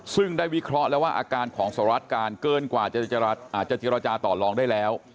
ซึ่งได้วิเคราะห์แล้วว่าอาการของสหรัฐการเกินกว่าจะเจรจาต่อลองได้แล้ว